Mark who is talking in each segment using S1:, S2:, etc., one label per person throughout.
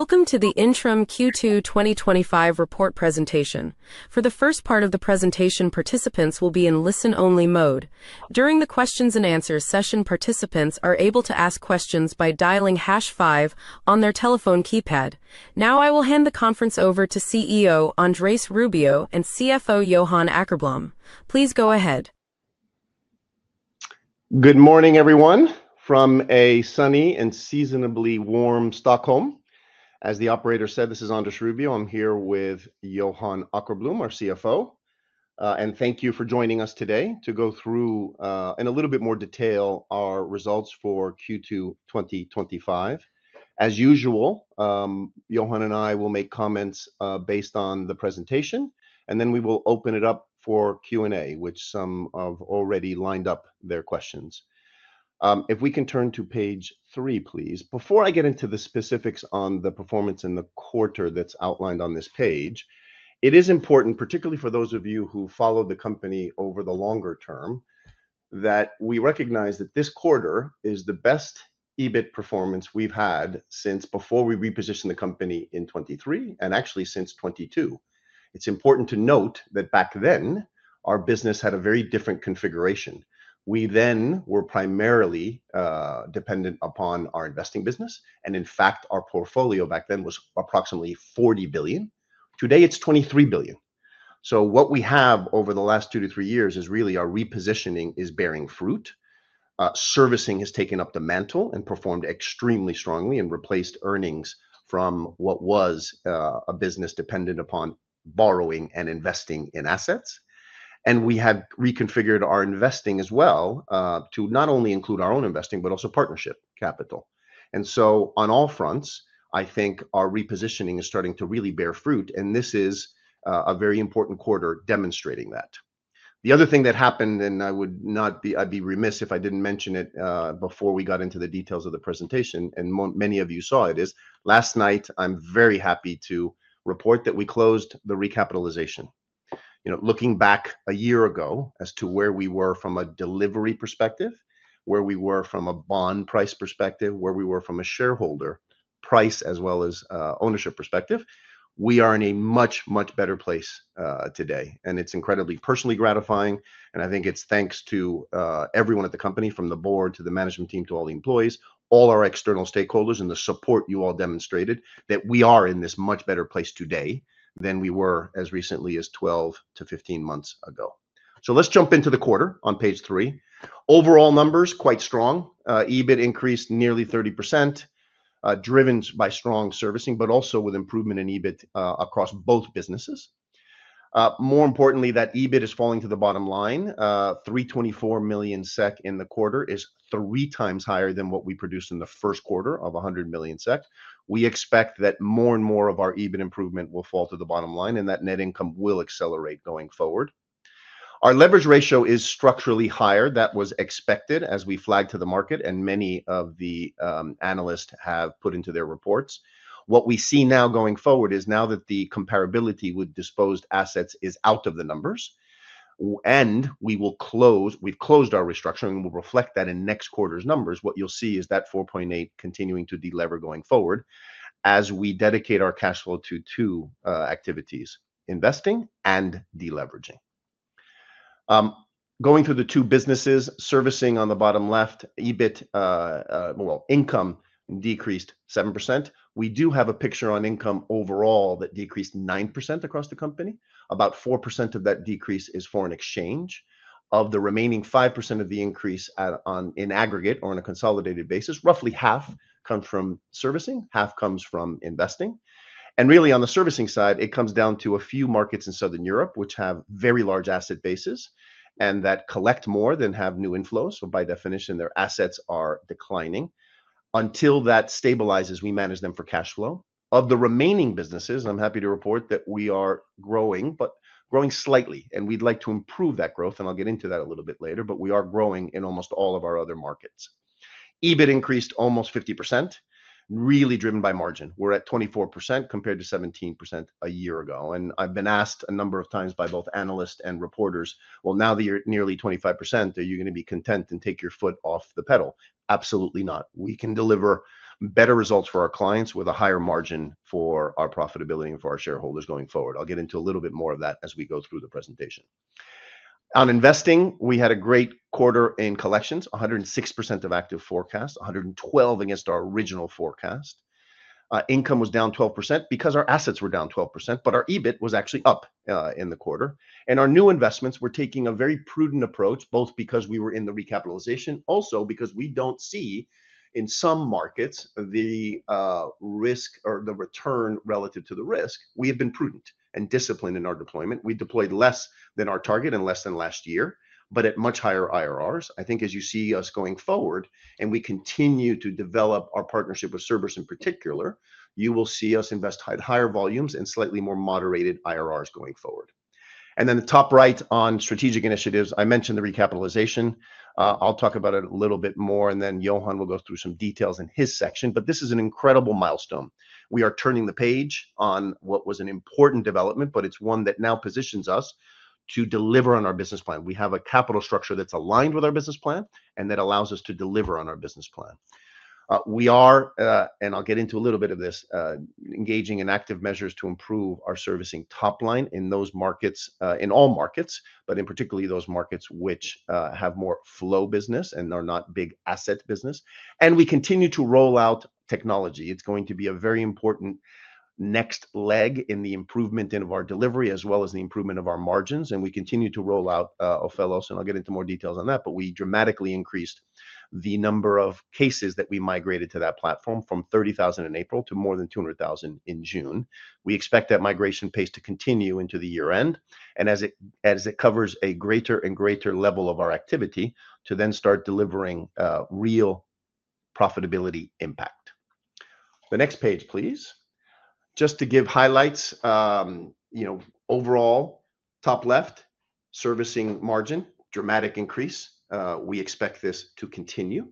S1: Welcome to the Intrum Q2 2025 report presentation. For the first part of the presentation, participants will be in listen-only mode. During the questions and answers session, participants are able to ask questions by dialing pound five on their telephone keypad. Now, I will hand the conference over to CEO Andrés Rubio and CFO Johan Åkerblom. Please go ahead.
S2: Good morning, everyone, from a sunny and seasonably warm Stockholm. As the operator said, this is Andrés Rubio. I'm here with Johan Åkerblom, our CFO. Thank you for joining us today to go through in a little bit more detail our results for Q2 2025. As usual, Johan and I will make comments based on the presentation, and then we will open it up for Q&A, which some have already lined up their questions. If we can turn to page three, please. Before I get into the specifics on the performance in the quarter that's outlined on this page, it is important, particularly for those of you who follow the company over the longer term, that we recognize that this quarter is the best EBIT performance we've had since before we repositioned the company in 2023 and actually since 2022. It's important to note that back then, our business had a very different configuration. We then were primarily dependent upon our investing business, and in fact, our portfolio back then was approximately 40 billion. Today, it's 23 billion. What we have over the last two to three years is really our repositioning is bearing fruit. Servicing has taken up the mantle and performed extremely strongly and replaced earnings from what was a business dependent upon borrowing and investing in assets. We have reconfigured our investing as well to not only include our own investing, but also partnership capital. On all fronts, I think our repositioning is starting to really bear fruit, and this is a very important quarter demonstrating that. The other thing that happened, and I would not be remiss if I didn't mention it before we got into the details of the presentation, and many of you saw it, is last night, I'm very happy to report that we closed the recapitalization. Looking back a year ago as to where we were from a delivery perspective, where we were from a bond price perspective, where we were from a shareholder price as well as ownership perspective, we are in a much, much better place today. It's incredibly personally gratifying, and I think it's thanks to everyone at the company, from the Board to the management team to all the employees, all our external stakeholders, and the support you all demonstrated, that we are in this much better place today than we were as recently as 12 months-15 months ago. Let's jump into the quarter on page three. Overall numbers, quite strong. EBIT increased nearly 30%, driven by strong servicing, but also with improvement in EBIT across both businesses. More importantly, that EBIT is falling to the bottom line. 324 million SEK in the quarter is threex higher than what we produced in the first quarter of 100 million SEK. We expect that more and more of our EBIT improvement will fall to the bottom line, and that net income will accelerate going forward. Our leverage ratio is structurally higher. That was expected as we flagged to the market, and many of the analysts have put into their reports. What we see now going forward is now that the comparability with disposed assets is out of the numbers, and we will close, we've closed our restructuring, and we'll reflect that in next quarter's numbers. What you'll see is that 4.8 continuing to delever going forward as we dedicate our cash flow to two activities: investing and deleveraging. Going through the two businesses, servicing on the bottom left, EBIT, income decreased 7%. We do have a picture on income overall that decreased 9% across the company. About 4% of that decrease is foreign exchange. Of the remaining 5% of the increase in aggregate or on a consolidated basis, roughly half comes from servicing, half comes from investing. On the servicing side, it comes down to a few markets in Southern Europe, which have very large asset bases and that collect more than have new inflows. By definition, their assets are declining. Until that stabilizes, we manage them for cash flow. Of the remaining businesses, I'm happy to report that we are growing, but growing slightly, and we'd like to improve that growth, and I'll get into that a little bit later, but we are growing in almost all of our other markets. EBIT increased almost 50%, really driven by margin. We're at 24% compared to 17% a year ago. I've been asked a number ofx by both analysts and reporters, now that you're at nearly 25%, are you going to be content and take your foot off the pedal? Absolutely not. We can deliver better results for our clients with a higher margin for our profitability and for our shareholders going forward. I'll get into a little bit more of that as we go through the presentation. On investing, we had a great quarter in collections, 106% of active forecast, 112% against our original forecast. Income was down 12% because our assets were down 12%, but our EBIT was actually up in the quarter. Our new investments were taking a very prudent approach, both because we were in the recapitalization, also because we don't see in some markets the risk or the return relative to the risk. We have been prudent and disciplined in our deployment. We deployed less than our target and less than last year, but at much higher IRRs. I think as you see us going forward, we continue to develop our partnership with servers in particular, you will see us invest higher volumes and slightly more moderated IRRs going forward. The top right on strategic initiatives, I mentioned the recapitalization. I'll talk about it a little bit more, and then Johan will go through some details in his section, but this is an incredible milestone. We are turning the page on what was an important development, but it's one that now positions us to deliver on our business plan. We have a capital structure that's aligned with our business plan and that allows us to deliver on our business plan. I'll get into a little bit of this, engaging in active measures to improve our servicing top line in those markets, in all markets, but particularly those markets which have more flow business and are not big asset business. We continue to roll out technology. It's going to be a very important next leg in the improvement of our delivery as well as the improvement of our margins. We continue to roll out Ophelos, and I'll get into more details on that, but we dramatically increased the number of cases that we migrated to that platform from 30,000 in April to more than 200,000 in June. We expect that migration pace to continue into the year-end. As it covers a greater and greater level of our activity to then start delivering real profitability impact. The next page, please. Just to give highlights, overall top left, servicing margin, dramatic increase. We expect this to continue.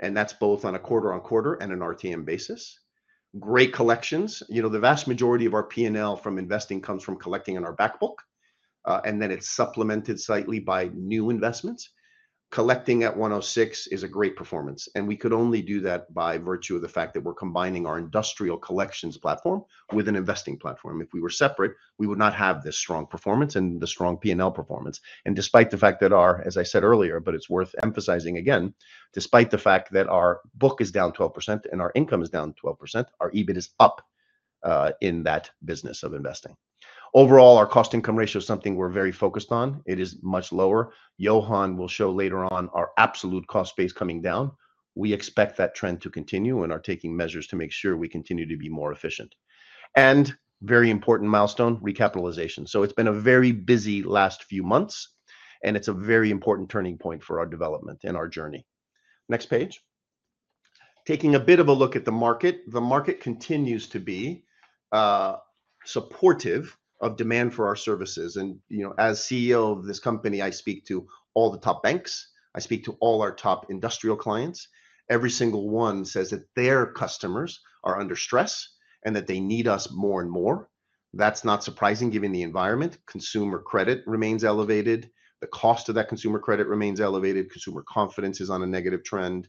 S2: That's both on a quarter-on-quarter and an RTM basis. Great collections. The vast majority of our P&L from investing comes from collecting in our backbook, and then it's supplemented slightly by new investments. Collecting at 106 is a great performance. We could only do that by virtue of the fact that we're combining our industrial collections platform with an investing platform. If we were separate, we would not have this strong performance and the strong P&L performance. Despite the fact that our, as I said earlier, but it's worth emphasizing again, despite the fact that our book is down 12% and our income is down 12%, our EBIT is up in that business of Investing. Overall, our cost-to-income ratio is something we're very focused on. It is much lower. Johan will show later on our absolute cost base coming down. We expect that trend to continue and are taking measures to make sure we continue to be more efficient. A very important milestone, recapitalization. It's been a very busy last few months, and it's a very important turning point for our development and our journey. Next page. Taking a bit of a look at the market, the market continues to be supportive of demand for our services. As CEO of this company, I speak to all the top banks. I speak to all our top industrial clients. Every single one says that their customers are under stress and that they need us more and more. That's not surprising given the environment. Consumer credit remains elevated. The cost of that consumer credit remains elevated. Consumer confidence is on a negative trend.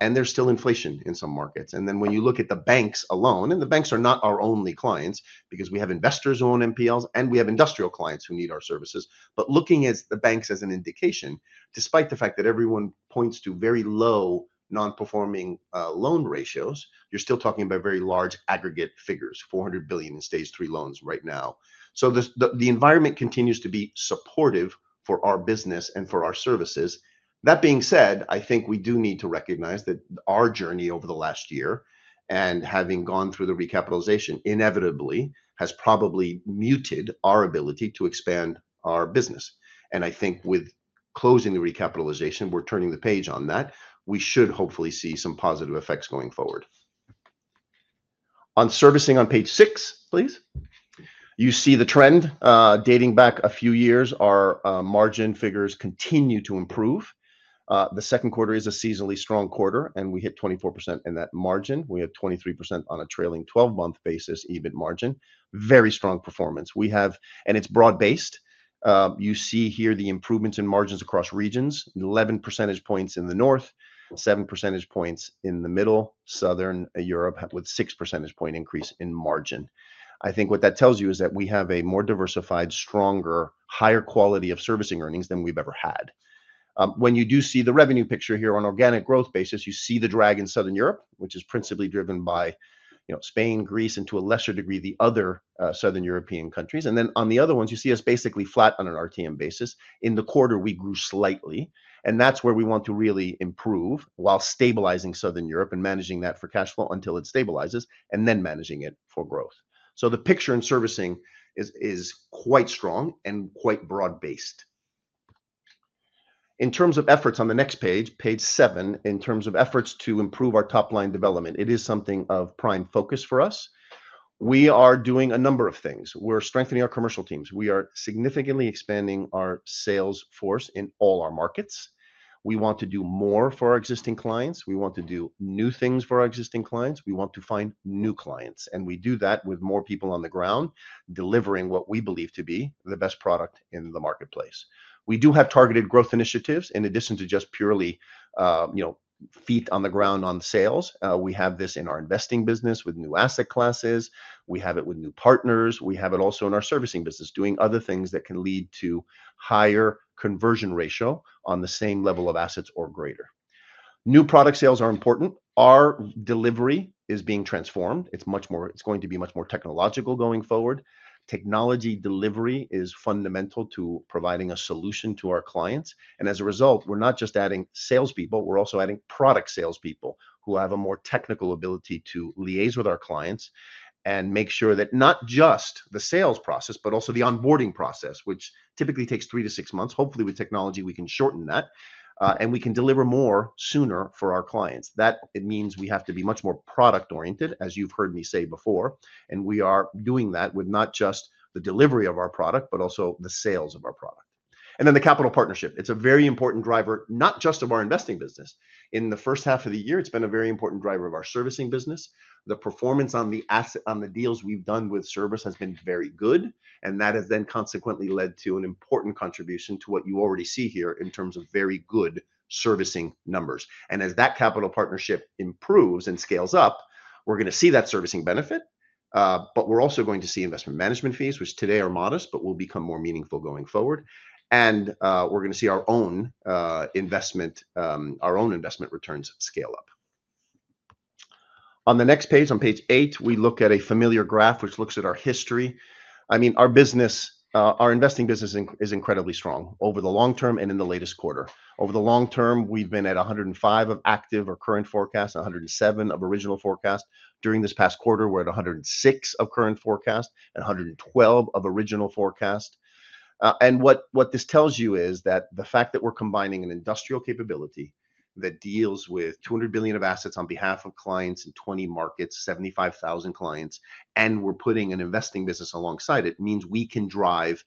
S2: There's still inflation in some markets. When you look at the banks alone, and the banks are not our only clients because we have investors who own NPLs and we have industrial clients who need our services. Looking at the banks as an indication, despite the fact that everyone points to very low non-performing loan ratios, you're still talking about very large aggregate figures, 400 billion in stage three loans right now. The environment continues to be supportive for our business and for our services. That being said, I think we do need to recognize that our journey over the last year and having gone through the recapitalization inevitably has probably muted our ability to expand our business. I think with closing the recapitalization, we're turning the page on that. We should hopefully see some positive effects going forward. On Servicing on page six, please. You see the trend dating back a few years. Our margin figures continue to improve. The second quarter is a seasonally strong quarter, and we hit 24% in that margin. We had 23% on a trailing 12-month basis EBIT margin. Very strong performance. We have, and it's broad-based. You see here the improvements in margins across regions, 11 percentage points in the north, 7 percentage points in the middle. Southern Europe had a 6 percentage point increase in margin. I think what that tells you is that we have a more diversified, stronger, higher quality of servicing earnings than we've ever had. When you do see the revenue picture here on an organic growth basis, you see the drag in Southern Europe, which is principally driven by Spain, Greece, and to a lesser degree the other Southern European countries. On the other ones, you see us basically flat on an RTM basis. In the quarter, we grew slightly. That is where we want to really improve while stabilizing Southern Europe and managing that for cash flow until it stabilizes and then managing it for growth. The picture in servicing is quite strong and quite broad-based. In terms of efforts on the next page, page seven, in terms of efforts to improve our top-line development, it is something of prime focus for us. We are doing a number of things. We're strengthening our commercial teams. We are significantly expanding our sales force in all our markets. We want to do more for our existing clients. We want to do new things for our existing clients. We want to find new clients. We do that with more people on the ground delivering what we believe to be the best product in the marketplace. We do have targeted growth initiatives in addition to just purely, you know, feet on the ground on sales. We have this in our investing business with new asset classes. We have it with new partners. We have it also in our servicing business, doing other things that can lead to higher conversion ratio on the same level of assets or greater. New product sales are important. Our delivery is being transformed. It's much more, it's going to be much more technological going forward. Technology delivery is fundamental to providing a solution to our clients. As a result, we're not just adding salespeople, we're also adding product salespeople who have a more technical ability to liaise with our clients and make sure that not just the sales process, but also the onboarding process, which typically takes three to six months. Hopefully, with technology, we can shorten that. We can deliver more sooner for our clients. That means we have to be much more product-oriented, as you've heard me say before. We are doing that with not just the delivery of our product, but also the sales of our product. The capital partnership is a very important driver, not just of our investing business. In the first half of the year, it's been a very important driver of our servicing business. The performance on the deals we've done with service has been very good. That has then consequently led to an important contribution to what you already see here in terms of very good servicing numbers. As that capital partnership improves and scales up, we're going to see that servicing benefit. We're also going to see investment management fees, which today are modest, but will become more meaningful going forward. We're going to see our own investment returns scale up. On the next page, on page eight, we look at a familiar graph which looks at our history. I mean, our business, our investing business is incredibly strong over the long term and in the latest quarter. Over the long term, we've been at 105% of active or current forecast and 107% of original forecast. During this past quarter, we're at 106% of current forecast and 112% of original forecast. What this tells you is that the fact that we're combining an industrial capability that deals with 200 billion of assets on behalf of clients in 20 markets, 75,000 clients, and we're putting an investing business alongside it means we can drive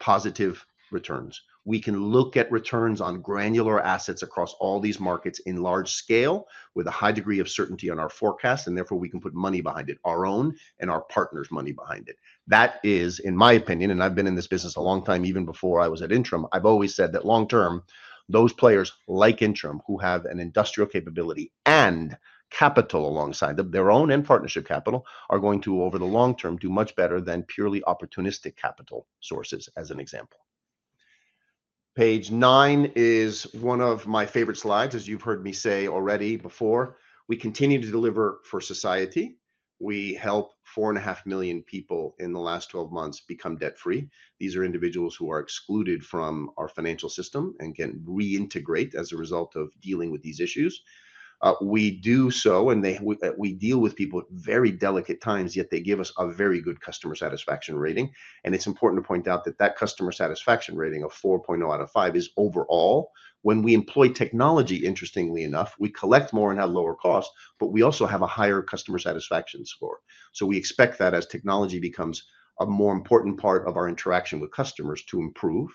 S2: positive returns. We can look at returns on granular assets across all these markets in large scale with a high degree of certainty on our forecast, and therefore we can put money behind it, our own and our partners' money behind it. That is, in my opinion, and I've been in this business a long time, even before I was at Intrum, I've always said that long term, those players like Intrum who have an industrial capability and capital alongside them, their own and partnership capital, are going to, over the long term, do much better than purely opportunistic capital sources as an example. Page nine is one of my favorite slides, as you've heard me say already before. We continue to deliver for society. We helped 4.5 million people in the last 12 months become debt-free. These are individuals who are excluded from our financial system and can reintegrate as a result of dealing with these issues. We do so, and we deal with people at very delicatex, yet they give us a very good customer satisfaction rating. It's important to point out that that customer satisfaction rating of 4.0 out of 5 is overall. When we employ technology, interestingly enough, we collect more and have lower costs, but we also have a higher customer satisfaction score. We expect that as technology becomes a more important part of our interaction with customers, it will improve.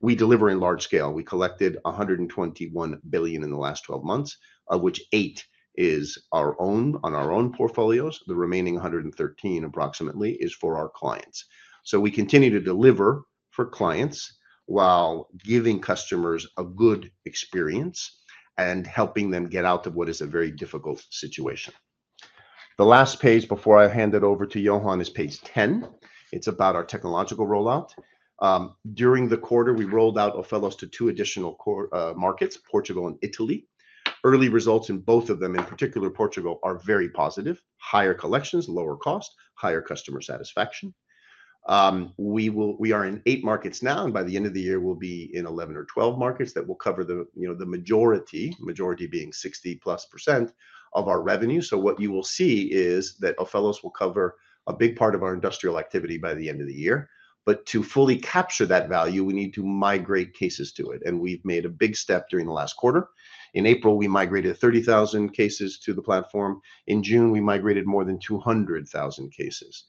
S2: We deliver in large scale. We collected 121 billion in the last 12 months, of which 8 billion is on our own portfolios. The remaining 113 billion approximately is for our clients. We continue to deliver for clients while giving customers a good experience and helping them get out of what is a very difficult situation. The last page before I hand it over to Johan is page 10. It's about our technological rollout. During the quarter, we rolled out Ophelos to two additional markets, Portugal and Italy. Early results in both of them, in particular Portugal, are very positive: higher collections, lower cost, higher customer satisfaction. We are in eight markets now, and by the end of the year, we'll be in 11 or 12 markets that will cover the majority, majority being 60+% of our revenue. What you will see is that Ophelos will cover a big part of our industrial activity by the end of the year. To fully capture that value, we need to migrate cases to it, and we've made a big step during the last quarter. In April, we migrated 30,000 cases to the platform. In June, we migrated more than 200,000 cases.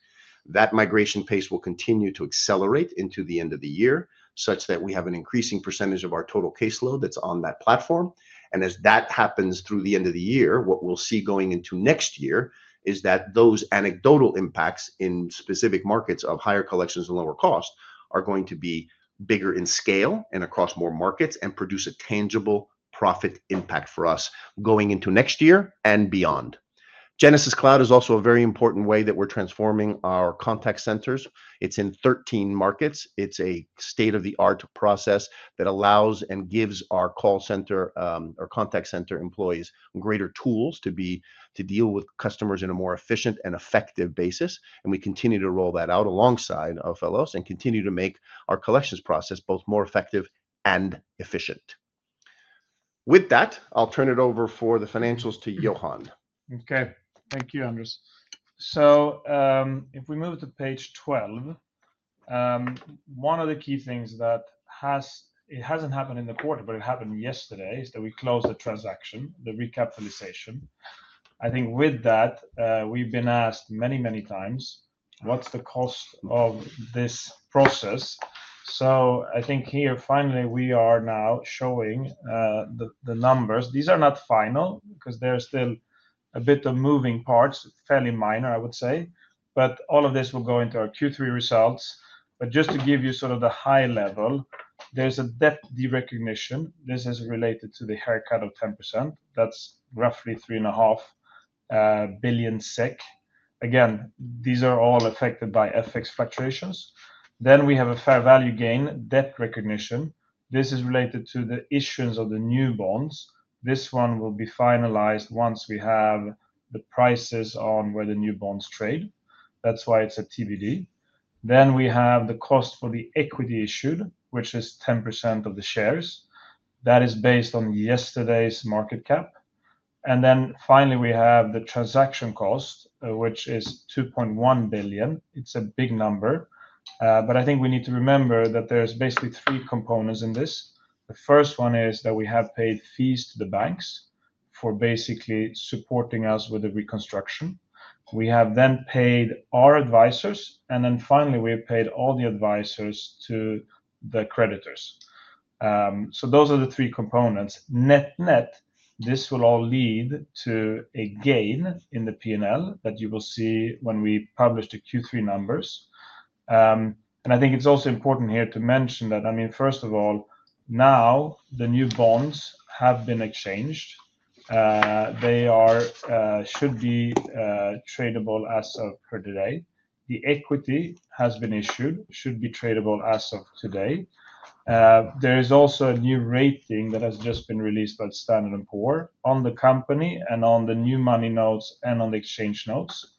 S2: That migration pace will continue to accelerate into the end of the year, such that we have an increasing percentage of our total caseload that's on that platform. As that happens through the end of the year, what we'll see going into next year is that those anecdotal impacts in specific markets of higher collections and lower cost are going to be bigger in scale and across more markets and produce a tangible profit impact for us going into next year and beyond. Genesys Cloud is also a very important way that we're transforming our contact centers. It's in 13 markets. It's a state-of-the-art process that allows and gives our call center or contact center employees greater tools to deal with customers in a more efficient and effective basis. We continue to roll that out alongside Ophelos and continue to make our collections process both more effective and efficient. With that, I'll turn it over for the financials to Johan.
S3: Okay. Thank you, Andrés. If we move to page 12, one of the key things that has, it hasn't happened in the quarter, but it happened yesterday, is that we closed the transaction, the recapitalization. I think with that, we've been asked many, manyx, what's the cost of this process? I think here finally we are now showing the numbers. These are not final because there's still a bit of moving parts, fairly minor, I would say. All of this will go into our Q3 results. Just to give you sort of the high level, there's a debt derecognition. This is related to the haircut of 10%. That's roughly 3.5 billion SEK. Again, these are all affected by FX fluctuations. We have a fair value gain, debt recognition. This is related to the issuance of the new bonds. This one will be finalized once we have the prices on where the new bonds trade. That's why it's a TBD. We have the cost for the equity issued, which is 10% of the shares. That is based on yesterday's market cap. Finally, we have the transaction cost, which is 2.1 billion. It's a big number. I think we need to remember that there's basically three components in this. The first one is that we have paid fees to the banks for basically supporting us with the reconstruction. We have then paid our advisors, and finally we've paid all the advisors to the creditors. Those are the three components. Net-net, this will all lead to a gain in the P&L that you will see when we publish the Q3 numbers. I think it's also important here to mention that, I mean, first of all, now the new bonds have been exchanged. They should be tradable as of today. The equity has been issued, should be tradable as of today. There is also a new rating that has just been released by Standard & Poor on the company and on the new money notes and on the exchange notes.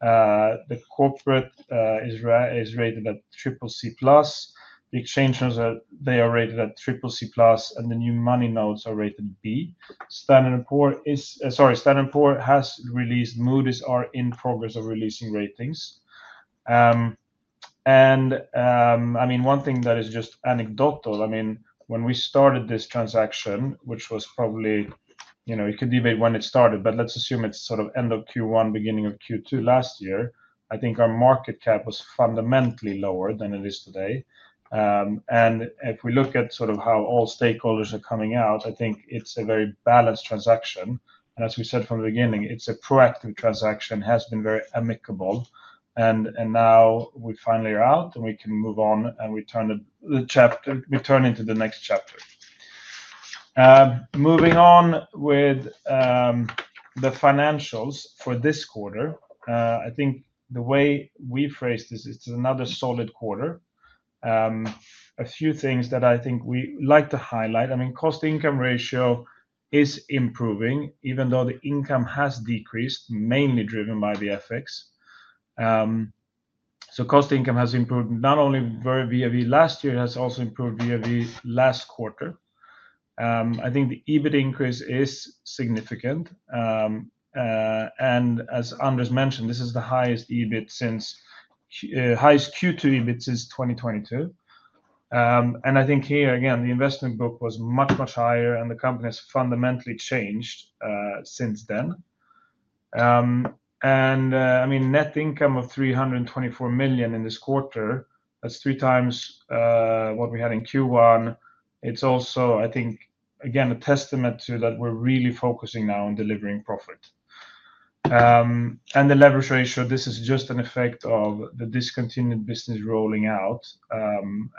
S3: The corporate is rated at CCC+. The exchange notes are rated at CCC+, and the new money notes are rated B. Standard & Poor has released, Moody's are in progress of releasing ratings. One thing that is just anecdotal, I mean, when we started this transaction, which was probably, you know, you could debate when it started, but let's assume it's sort of end of Q1, beginning of Q2 last year. I think our market cap was fundamentally lower than it is today. If we look at sort of how all stakeholders are coming out, I think it's a very balanced transaction. As we said from the beginning, it's a proactive transaction, has been very amicable. Now we finally are out and we can move on and we turn the chapter, we turn into the next chapter. Moving on with the financials for this quarter, I think the way we phrased this, it's another solid quarter. A few things that I think we like to highlight. I mean, cost-to-income ratio is improving, even though the income has decreased, mainly driven by the FX. Cost-to-income has improved not only year-over-year last year, it has also improved year-over-year last quarter. I think the EBIT increase is significant. As Andrés Rubio mentioned, this is the highest EBIT since, highest Q2 EBIT since 2022. Here again, the investment book was much, much higher and the company has fundamentally changed since then. Net income of 324 million in this quarter, that's threex what we had in Q1. It's also, I think, again, a testament to that we're really focusing now on delivering profit. The leverage ratio, this is just an effect of the discontinued business rolling out.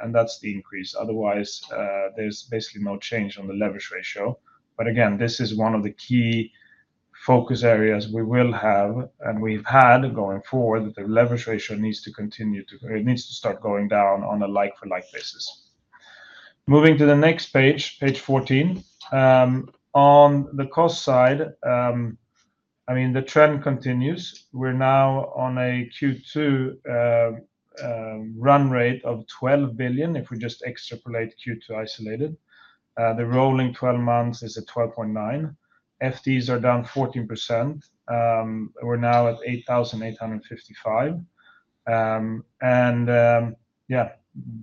S3: That's the increase. Otherwise, there's basically no change on the leverage ratio. Again, this is one of the key focus areas we will have, and we've had going forward that the leverage ratio needs to continue to, it needs to start going down on a like-for-like basis. Moving to the next page, page 14. On the cost side, the trend continues. We're now on a Q2 run rate of 12 billion if we just extrapolate Q2 isolated. The rolling 12 months is at 12.9 billion. FTEs are down 14%. We're now at 8,855.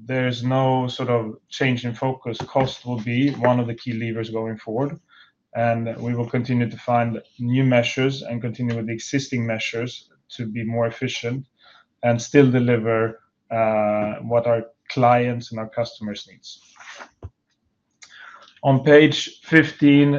S3: There's no sort of change in focus. Cost will be one of the key levers going forward. We will continue to find new measures and continue with the existing measures to be more efficient and still deliver what our clients and our customers need. On page 15,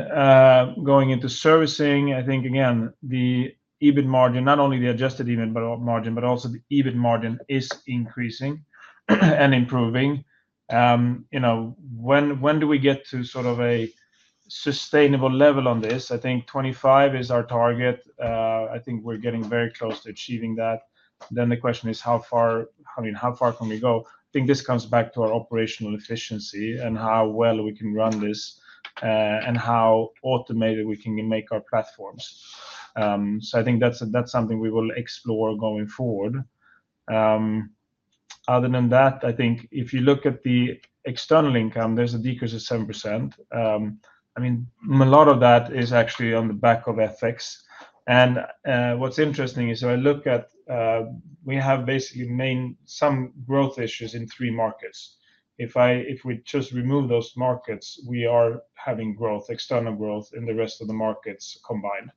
S3: going into Servicing, the EBIT margin, not only the adjusted EBIT margin, but also the EBIT margin is increasing and improving. When do we get to sort of a sustainable level on this? I think 25% is our target. I think we're getting very close to achieving that. The question is how far, I mean, how far can we go? I think this comes back to our operational efficiency and how well we can run this and how automated we can make our platforms. That's something we will explore going forward. Other than that, if you look at the external income, there's a decrease of 7%. I mean, a lot of that is actually on the back of FX. What's interesting is if I look at, we have basically main some growth issues in three markets. If we just remove those markets, we are having growth, external growth in the rest of the markets combined.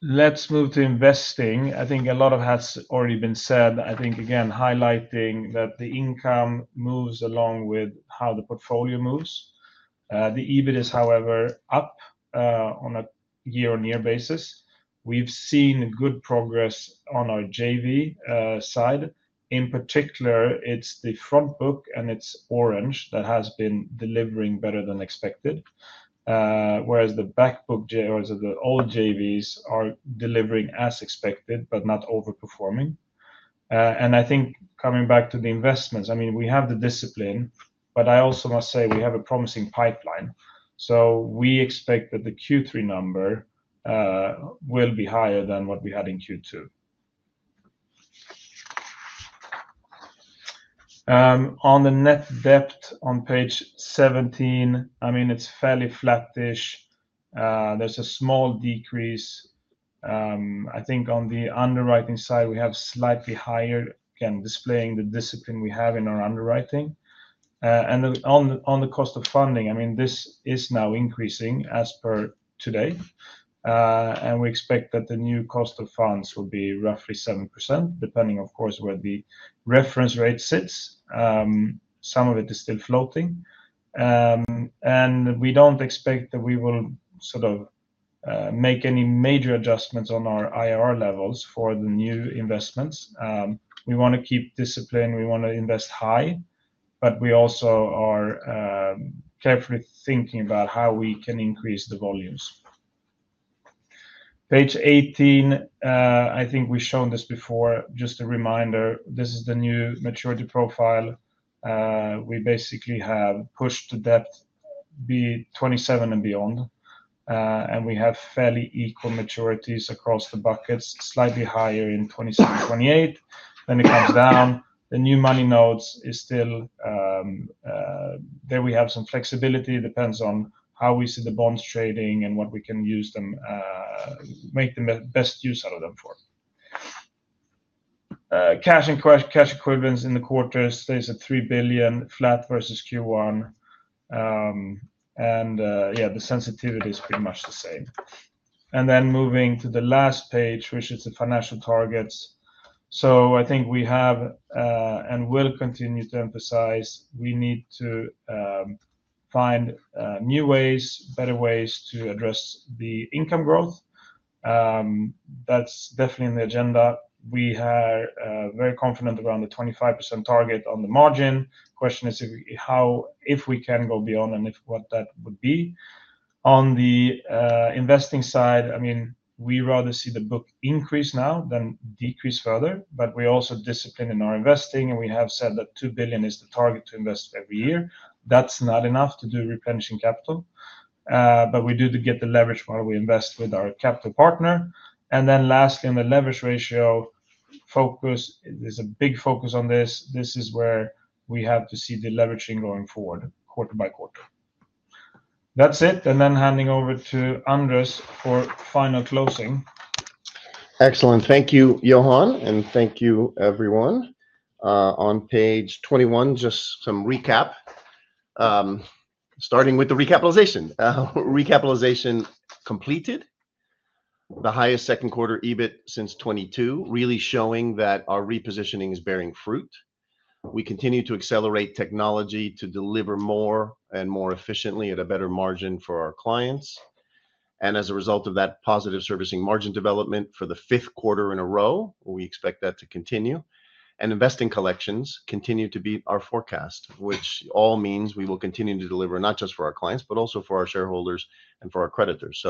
S3: Let's move to investing. I think a lot of that's already been said. I think again, highlighting that the income moves along with how the portfolio moves. The EBIT is however up on a year-on-year basis. We've seen good progress on our JV side. In particular, it's the front book and it's Orange that has been delivering better than expected, whereas the back book JVs are delivering as expected, but not overperforming. I think coming back to the investments, we have the discipline, but I also must say we have a promising pipeline. We expect that the Q3 number will be higher than what we had in Q2. On the net debt on page 17, it's fairly flat-ish. There's a small decrease. I think on the underwriting side, we have slightly higher, again, displaying the discipline we have in our underwriting. On the cost of funding, this is now increasing as per today. We expect that the new cost of funds will be roughly 7%, depending of course where the reference rate sits. Some of it is still floating. We don't expect that we will sort of make any major adjustments on our IRR levels for the new investments. We want to keep discipline. We want to invest high, but we also are carefully thinking about how we can increase the volumes. Page 18, I think we've shown this before, just a reminder, this is the new maturity profile. We basically have pushed the debt B27 and beyond. We have fairly equal maturities across the buckets, slightly higher in 2027-2028. It comes down after that. The new money notes are still there. We have some flexibility. It depends on how we see the bonds trading and what we can use them, make the best use out of them for. Cash and cash equivalents in the quarter stays at 3 billion flat versus Q1. The sensitivity has been much the same. Moving to the last page, which is the financial targets, I think we have and will continue to emphasize we need to find new ways, better ways to address the income growth. That's definitely on the agenda. We are very confident around the 25% target on the margin. The question is how, if we can go beyond and what that would be. On the investing side, I mean, we rather see the book increase now than decrease further. We also discipline in our investing, and we have said that 2 billion is the target to invest every year. That's not enough to do replenishing capital. We do get the leverage while we invest with our capital partner. Lastly, on the leverage ratio focus, there's a big focus on this. This is where we have to see the deleveraging going forward quarter by quarter. That's it. Handing over to Andrés for final closing.
S2: Excellent. Thank you, Johan, and thank you, everyone. On page 21, just some recap. Starting with the recapitalization. Recapitalization completed. The highest second quarter EBIT since 2022, really showing that our repositioning is bearing fruit. We continue to accelerate technology to deliver more and more efficiently at a better margin for our clients. As a result of that positive servicing margin development for the fifth quarter in a row, we expect that to continue. Investing collections continue to be our forecast, which all means we will continue to deliver not just for our clients, but also for our shareholders and for our creditors.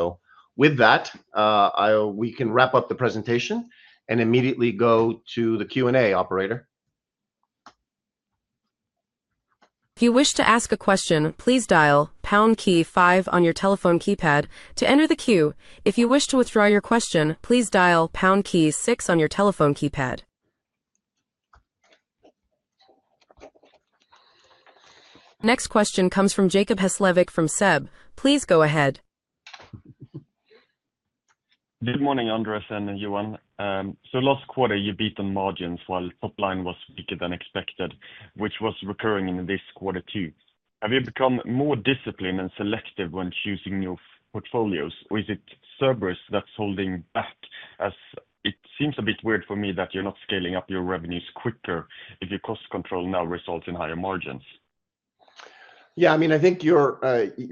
S2: With that, we can wrap up the presentation and immediately go to the Q&A operator.
S1: If you wish to ask a question, please dial pound key five on your telephone keypad to enter the queue. If you wish to withdraw your question, please dial pound key six on your telephone keypad. Next question comes from Jacob Hesslevik from SEB. Please go ahead.
S4: Good morning, Andrés and Johan. Last quarter, you beat on margins while top line was weaker than expected, which was recurring in this quarter too. Have you become more disciplined and selective when choosing your portfolios? Is it Servicing that's holding back? It seems a bit weird for me that you're not scaling up your revenues quicker if your cost control now results in higher margins.
S2: Yeah, I mean, I think you're,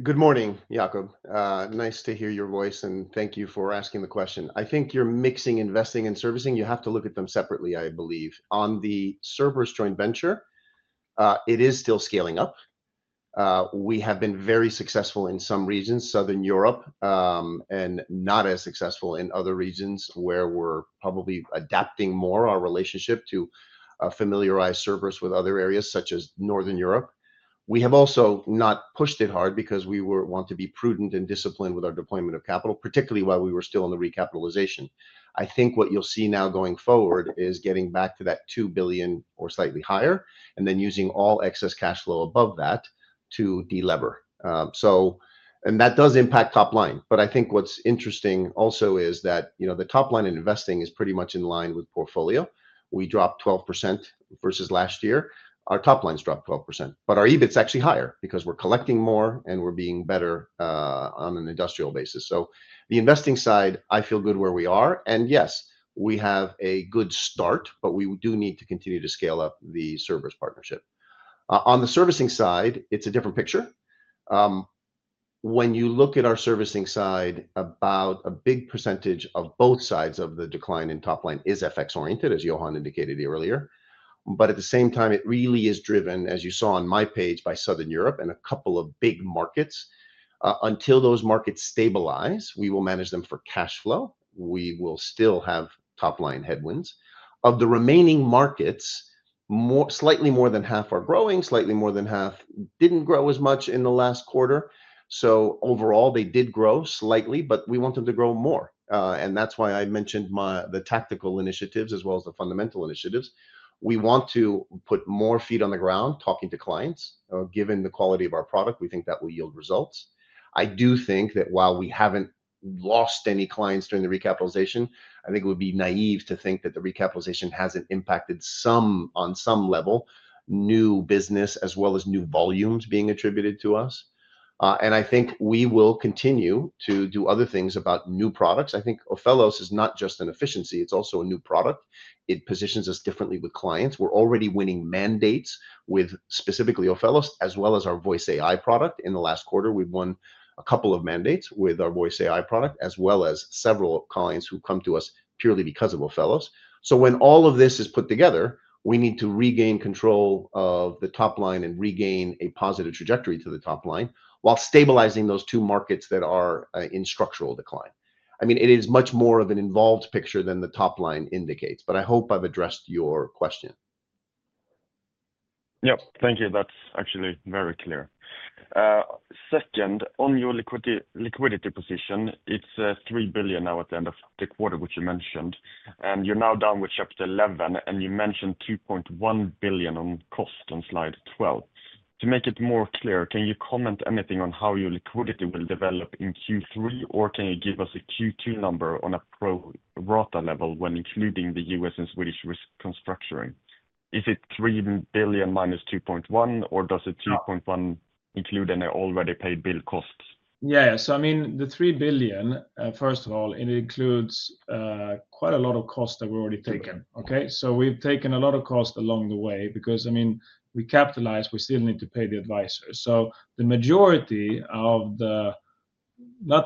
S2: good morning, Jacob. Nice to hear your voice and thank you for asking the question. I think you're mixing investing and servicing. You have to look at them separately, I believe. On the Servicing joint venture, it is still scaling up. We have been very successful in some regions, Southern Europe, and not as successful in other regions where we're probably adapting more our relationship to familiarize Servicing with other areas such as Northern Europe. We have also not pushed it hard because we want to be prudent and disciplined with our deployment of capital, particularly while we were still in the recapitalization. I think what you'll see now going forward is getting back to that 2 billion or slightly higher and then using all excess cash flow above that to delever. That does impact top line. I think what's interesting also is that the top line in investing is pretty much in line with portfolio. We dropped 12% versus last year. Our top lines dropped 12%. Our EBIT's actually higher because we're collecting more and we're being better on an industrial basis. The investing side, I feel good where we are. Yes, we have a good start, but we do need to continue to scale up the Servicing partnership. On the servicing side, it's a different picture. When you look at our servicing side, about a big percentage of both sides of the decline in top line is FX-oriented, as Johan indicated earlier. At the same time, it really is driven, as you saw on my page, by Southern Europe and a couple of big markets. Until those markets stabilize, we will manage them for cash flow. We will still have top line headwinds. Of the remaining markets, slightly more than half are growing, slightly more than half didn't grow as much in the last quarter. Overall, they did grow slightly, but we want them to grow more. That's why I mentioned the tactical initiatives as well as the fundamental initiatives. We want to put more feet on the ground talking to clients. Given the quality of our product, we think that will yield results. I do think that while we haven't lost any clients during the recapitalization, I think it would be naive to think that the recapitalization hasn't impacted some on some level, new business as well as new volumes being attributed to us. I think we will continue to do other things about new products. I think Ophelos is not just an efficiency. It's also a new product. It positions us differently with clients. We're already winning mandates with specifically Ophelos as well as our voice AI product. In the last quarter, we've won a couple of mandates with our voice AI product as well as several clients who come to us purely because of Ophelos. When all of this is put together, we need to regain control of the top line and regain a positive trajectory to the top line while stabilizing those two markets that are in structural decline. It is much more of an involved picture than the top line indicates, but I hope I've addressed your question.
S4: Thank you. That's actually very clear. Second, on your liquidity position, it's 3 billion now at the end of the quarter, which you mentioned. You're now down with Chapter 11, and you mentioned 2.1 billion on cost on slide 12. To make it more clear, can you comment anything on how your liquidity will develop in Q3, or can you give us a Q2 number on a pro rata level when including the U.S. and Swedish risk constructing? Is it 3 billion - 2.1 billion, or does the 2.1 billion include an already paid bill cost?
S3: Yeah, yeah. I mean, the 3 billion, first of all, it includes quite a lot of costs that we've already taken. Okay, we've taken a lot of costs along the way because, I mean, we capitalize, we still need to pay the advisors.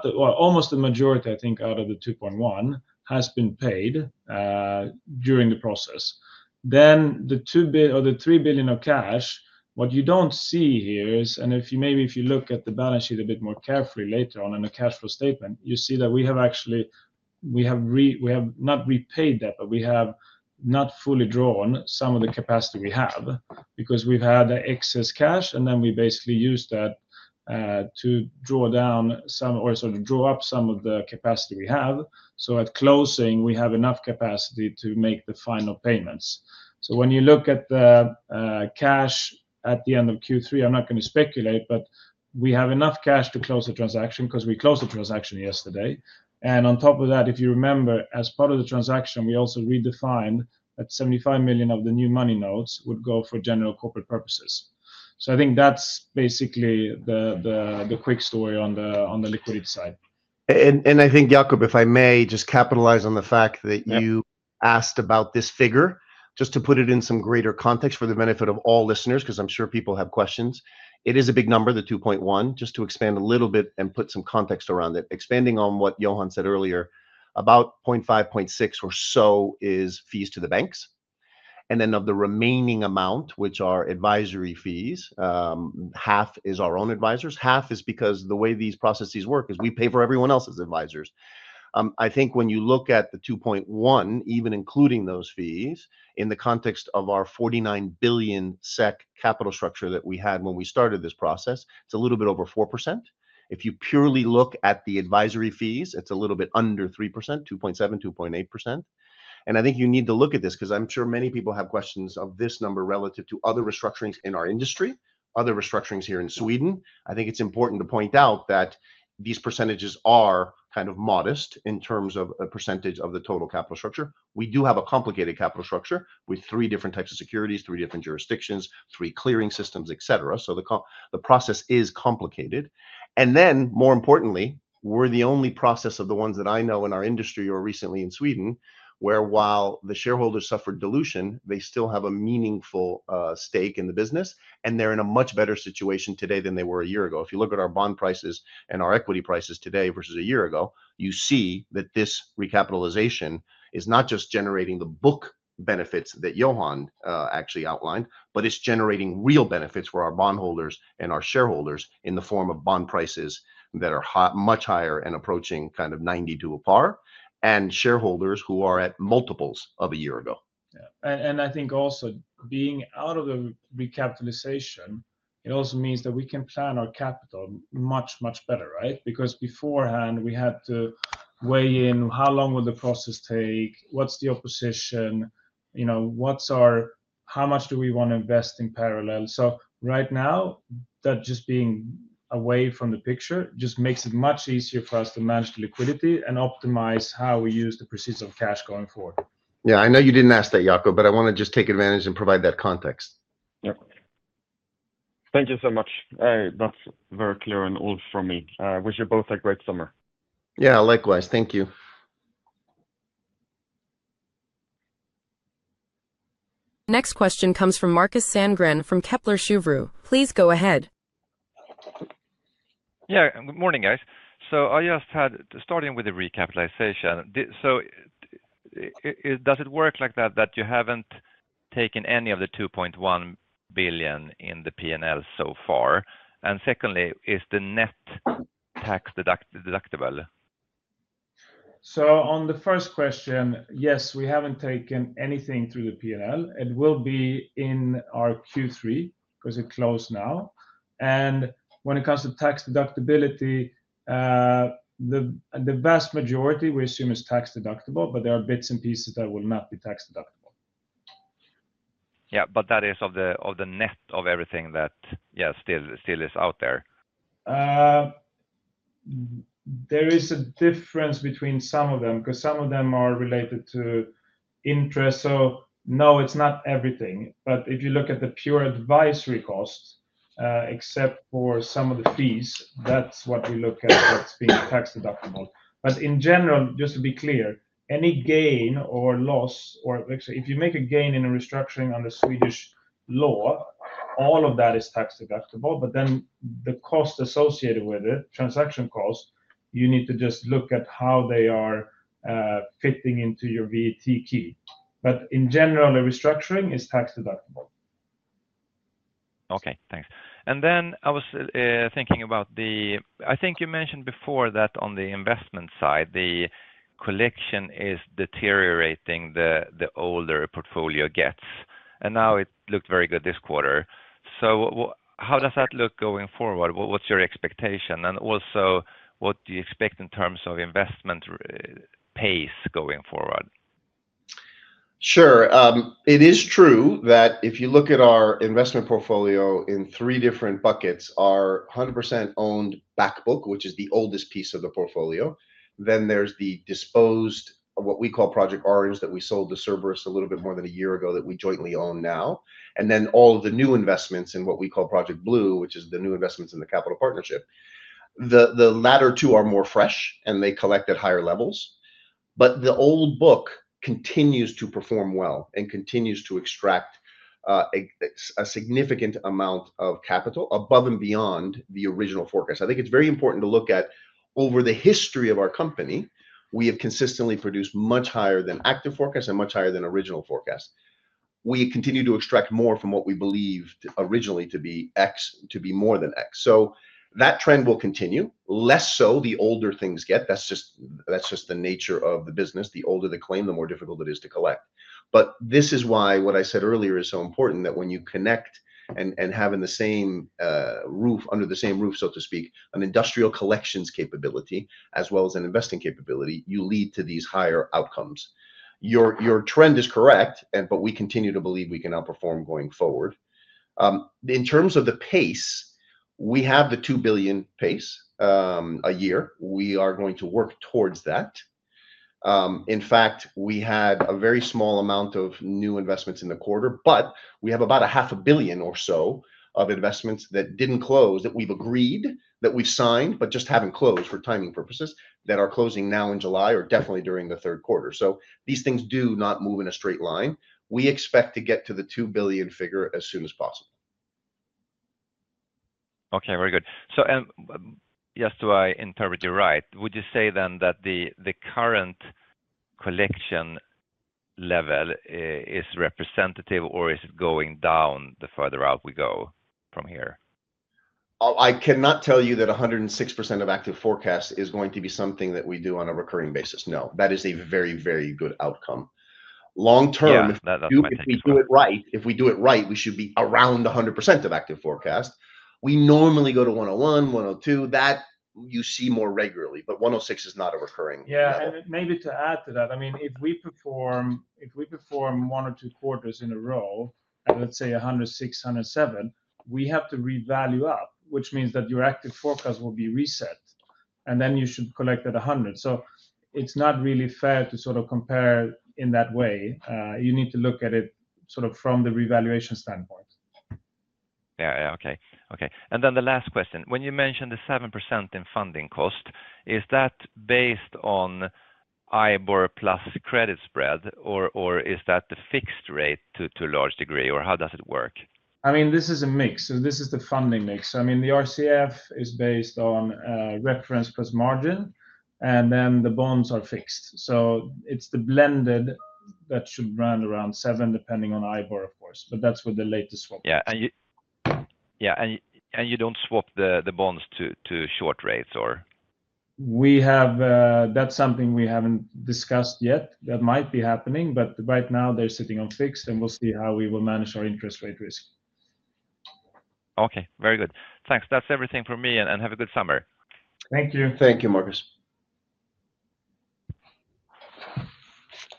S3: Almost the majority, I think, out of the 2.1 billion has been paid during the process. The 2 billion or the 3 billion of cash, what you don't see here is, and if you maybe look at the balance sheet a bit more carefully later on in the cash flow statement, you see that we have actually not repaid debt, but we have not fully drawn some of the capacity we have because we've had excess cash, and then we basically use that to draw down some or sort of draw up some of the capacity we have. At closing, we have enough capacity to make the final payments. When you look at the cash at the end of Q3, I'm not going to speculate, but we have enough cash to close the transaction because we closed the transaction yesterday. On top of that, if you remember, as part of the transaction, we also redefined that 75 million of the new money notes would go for general corporate purposes. I think that's basically the quick story on the liquidity side.
S2: I think, Jakob, if I may just capitalize on the fact that you asked about this figure, just to put it in some greater context for the benefit of all listeners, because I'm sure people have questions. It is a big number, the 2.1 billion, just to expand a little bit and put some context around it. Expanding on what Johan said earlier, about 0.5 billion, 0.6 billion or so is fees to the banks. Of the remaining amount, which are advisory fees, half is our own advisors, half is because the way these processes work is we pay for everyone else's advisors. I think when you look at the 2.1 billion, even including those fees, in the context of our 49 billion SEK capital structure that we had when we started this process, it's a little bit over 4%. If you purely look at the advisory fees, it's a little bit under 3%, 2.7%, 2.8%. I think you need to look at this because I'm sure many people have questions of this number relative to other restructurings in our industry, other restructurings here in Sweden. I think it's important to point out that these percentages are kind of modest in terms of a percentage of the total capital structure. We do have a complicated capital structure with three different types of securities, three different jurisdictions, three clearing systems, et cetera. The process is complicated. More importantly, we're the only process of the ones that I know in our industry or recently in Sweden, where while the shareholders suffered dilution, they still have a meaningful stake in the business. They're in a much better situation today than they were a year ago. If you look at our bond and equity prices today versus a year ago, you see that this recapitalization is not just generating the book benefits that Johan actually outlined, but it's generating real benefits for our bondholders and our shareholders in the form of bond prices that are much higher and approaching kind of 90 to a par and shareholders who are at multiples of a year ago.
S3: Being out of the recapitalization also means that we can plan our capital much, much better, right? Because beforehand, we had to weigh in how long will the process take, what's the opposition, you know, how much do we want to invest in parallel? Right now, that just being away from the picture makes it much easier for us to manage the liquidity and optimize how we use the procedure of cash going forward.
S2: Yeah, I know you didn't ask that, Jacob, but I want to just take advantage and provide that context.
S4: Thank you so much. That's very clear and all for me. I wish you both a great summer.
S2: Yeah, likewise. Thank you.
S1: Next question comes from Markus Sandgren from Kepler Cheuvreux. Please go ahead.
S5: Good morning, guys. I just had, starting with the recapitalization, does it work like that that you haven't taken any of the 2.1 billion in the P&L so far? Secondly, is the net tax deductible?
S3: Yes, we haven't taken anything through the P&L. It will be in our Q3 because it closed now. When it comes to tax deductibility, the vast majority we assume is tax deductible, but there are bits and pieces that will not be tax deductible.
S5: Yeah, that is net of everything that still is out there.
S3: There is a difference between some of them because some of them are related to interest. No, it's not everything. If you look at the pure advisory costs, except for some of the fees, that's what we look at that's being tax deductible. In general, just to be clear, any gain or loss, or actually if you make a gain in a restructuring under Swedish law, all of that is tax deductible. The cost associated with it, transaction costs, you need to just look at how they are fitting into your VAT key. In general, a restructuring is tax deductible.
S5: Okay, thanks. I was thinking about the, I think you mentioned before that on the investment side, the collection is deteriorating the older portfolio gets. It looked very good this quarter. How does that look going forward? What's your expectation? Also, what do you expect in terms of investment pace going forward?
S2: Sure. It is true that if you look at our investment portfolio in three different buckets, our 100% owned backbook, which is the oldest piece of the portfolio, then there's the disposed, what we call Project Orange, that we sold to servers a little bit more than a year ago that we jointly own now. Then all of the new investments in what we call Project Blue, which is the new investments in the capital partnership. The latter two are more fresh and they collect at higher levels. The old book continues to perform well and continues to extract a significant amount of capital above and beyond the original forecast. I think it's very important to look at over the history of our company, we have consistently produced much higher than active forecasts and much higher than original forecasts. We continue to extract more from what we believed originally to be X, to be more than X. That trend will continue, less so the older things get. That's just the nature of the business. The older the claim, the more difficult it is to collect. This is why what I said earlier is so important, that when you connect and have in the same roof, under the same roof, so to speak, an industrial collections capability as well as an investing capability, you lead to these higher outcomes. Your trend is correct, but we continue to believe we can outperform going forward. In terms of the pace, we have the 2 billion pace a year. We are going to work towards that. In fact, we had a very small amount of new investments in the quarter, but we have about a half a billion or so of investments that didn't close that we've agreed, that we've signed, but just haven't closed for timing purposes, that are closing now in July or definitely during the third quarter. These things do not move in a straight line. We expect to get to the 2 billion figure as soon as possible.
S5: Okay, very good. Just so I interpret you right, would you say then that the current collection level is representative, or is it going down the further out we go from here?
S2: I cannot tell you that 106% of active forecast is going to be something that we do on a recurring basis. No, that is a very, very good outcome. Long term, if we do it right, we should be around 100% of active forecast. We normally go to 101%, 102%. That you see more regularly, but 106% is not a recurring outcome.
S3: Maybe to add to that, if we perform one or two quarters in a row, let's say 106%, 107%, we have to revalue up, which means that your active forecast will be reset. Then you should collect at 100%. It's not really fair to compare in that way. You need to look at it from the revaluation standpoint.
S5: Okay. When you mentioned the 7% in funding cost, is that based on IBOR plus credit spread, or is that the fixed rate to a large degree, or how does it work?
S3: This is a mix. This is the funding mix. The RCF is based on reference plus margin, and the bonds are fixed. It's the blended that should run around 7%, depending on IBOR, of course, but that's what the latest swap is.
S5: Yeah, you don't swap the bonds to short rates, or?
S3: That's something we haven't discussed yet. That might be happening, but right now they're sitting on fixed, and we'll see how we will manage our interest rate risk.
S5: Okay, very good. Thanks. That's everything for me. Have a good summer.
S3: Thank you.
S2: Thank you, Markus.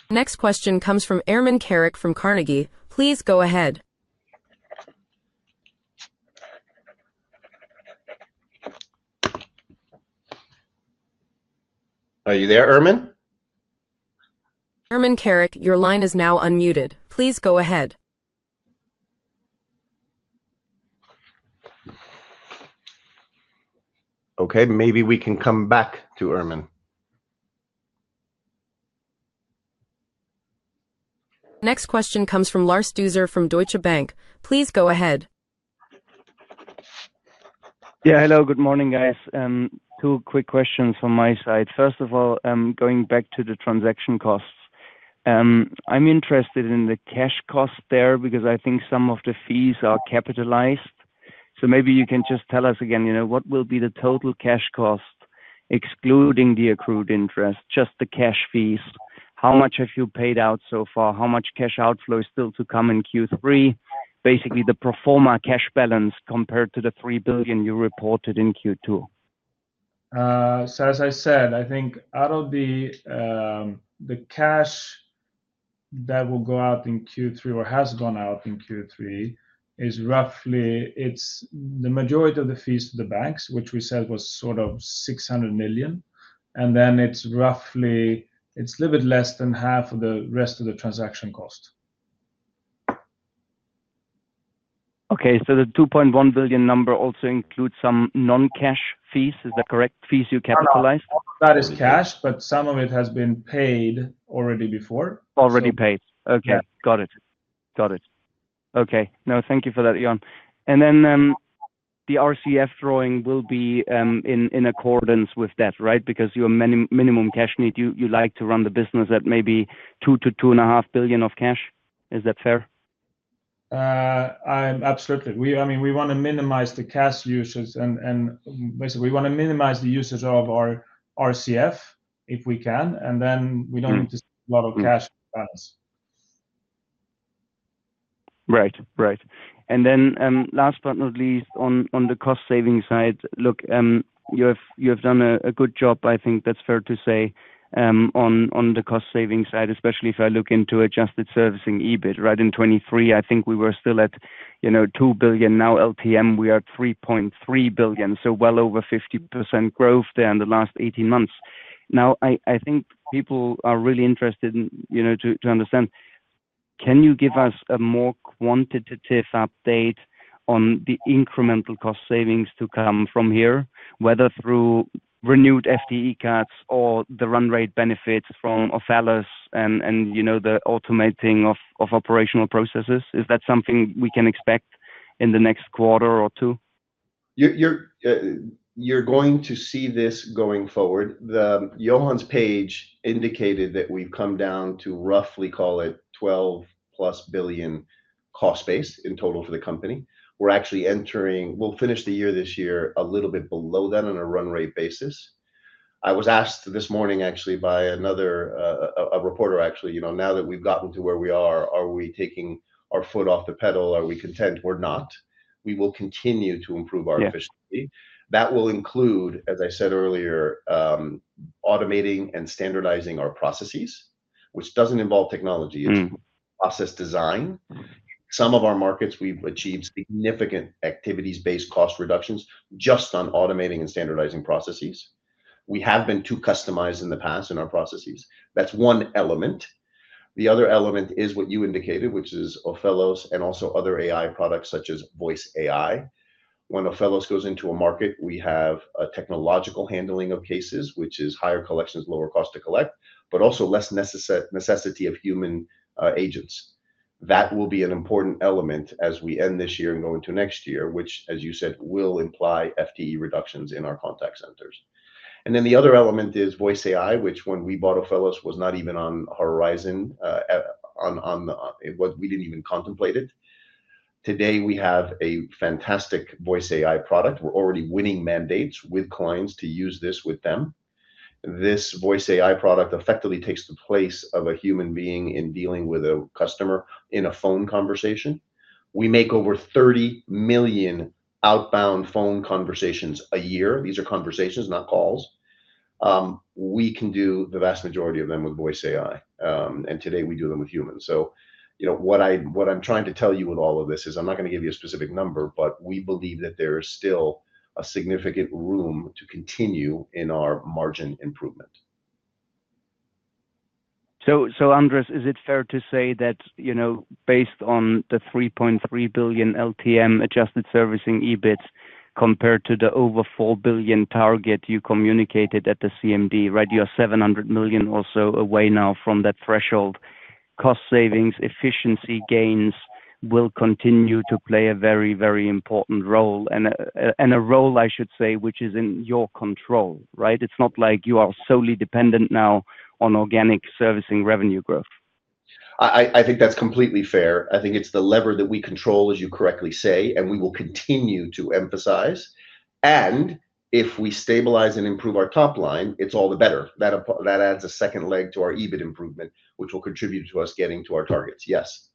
S1: Next question comes from Ermin Keric from Carnegie. Please go ahead.
S2: Are you there, Ermin?
S1: Ermin Keric, your line is now unmuted. Please go ahead.
S2: Okay, maybe we can come back to Ermin.
S1: Next question comes from Lars Dueser from Deutsche Bank. Please go ahead.
S6: Yeah, hello, good morning, guys. Two quick questions from my side. First of all, I'm going back to the transaction costs. I'm interested in the cash cost there because I think some of the fees are capitalized. Maybe you can just tell us again, you know, what will be the total cash cost, excluding the accrued interest, just the cash fees? How much have you paid out so far? How much cash outflow is still to come in Q3? Basically, the pro forma cash balance compared to the 3 billion you reported in Q2.
S3: As I said, I think out of the cash that will go out in Q3, or has gone out in Q3, is roughly, it's the majority of the fees to the banks, which we said was sort of 600 million. It's roughly, it's a little bit less than half of the rest of the transaction cost.
S6: Okay, so the 2.1 billion number also includes some non-cash fees. Is that correct? Fees you capitalized?
S3: That is cash, but some of it has been paid already before.
S6: Already paid. Okay, got it. Okay. No, thank you for that, Jan. The RCF drawing will be in accordance with that, right? Your minimum cash need, you like to run the business at maybe 2 billion-2.5 billion of cash. Is that fair?
S3: Absolutely. We want to minimize the cash usage and basically we want to minimize the usage of our RCF if we can. We don't need to spend a lot of cash on that.
S6: Right, right. Last but not least, on the cost saving side, look, you have done a good job, I think that's fair to say, on the cost saving side, especially if I look into adjusted servicing EBIT. In 2023, I think we were still at, you know, 2 billion. Now LTM, we are at 3.3 billion. So well over 50% growth there in the last 18 months. I think people are really interested in, you know, to understand, can you give us a more quantitative update on the incremental cost savings to come from here, whether through renewed FTE cards or the run rate benefits from Ophelos and, you know, the automating of operational processes? Is that something we can expect in the next quarter or two?
S2: You're going to see this going forward. Johan's page indicated that we've come down to roughly, call it, 12 billion plus cost base in total for the company. We're actually entering, we'll finish the year this year a little bit below that on a run rate basis. I was asked this morning by another reporter, actually, you know, now that we've gotten to where we are, are we taking our foot off the pedal? Are we content or not? We will continue to improve our efficiency. That will include, as I said earlier, automating and standardizing our processes, which doesn't involve technology. It's process design. Some of our markets, we've achieved significant activities-based cost reductions just on automating and standardizing processes. We have been too customized in the past in our processes. That's one element. The other element is what you indicated, which is Ophelos and also other AI products such as voice AI. When Ophelos goes into a market, we have a technological handling of cases, which is higher collections, lower cost to collect, but also less necessity of human agents. That will be an important element as we end this year and go into next year, which, as you said, will imply FTE reductions in our contact centers. The other element is voice AI, which when we bought Ophelos was not even on the horizon, we didn't even contemplate it. Today, we have a fantastic voice AI product. We're already winning mandates with clients to use this with them. This voice AI product effectively takes the place of a human being in dealing with a customer in a phone conversation. We make over 30 million outbound phone conversations a year. These are conversations, not calls. We can do the vast majority of them with voice AI. Today, we do them with humans. What I'm trying to tell you with all of this is I'm not going to give you a specific number, but we believe that there is still significant room to continue in our margin improvement.
S6: Andrés, is it fair to say that, you know, based on the 3.3 billion LTM adjusted servicing EBIT compared to the over 4 billion target you communicated at the CMD, right? You're 700 million or so away now from that threshold. Cost savings and efficiency gains will continue to play a very, very important role, a role, I should say, which is in your control, right? It's not like you are solely dependent now on organic servicing revenue growth.
S2: I think that's completely fair. I think it's the lever that we control, as you correctly say, and we will continue to emphasize. If we stabilize and improve our top line, it's all the better. That adds a second leg to our EBIT improvement, which will contribute to us getting to our targets. Yes.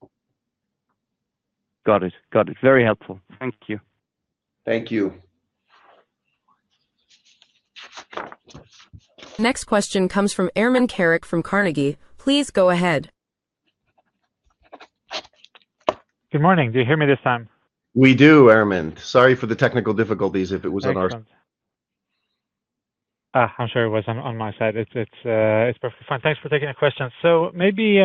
S6: Got it. Very helpful. Thank you.
S2: Thank you.
S1: Next question comes from Ermin Keric from Carnegie. Please go ahead.
S7: Good morning. Do you hear me this time?
S2: We do, Ermin. Sorry for the technical difficulties if it was on our side.
S7: I'm sure it wasn't on my side. It's perfectly fine. Thanks for taking the question. Maybe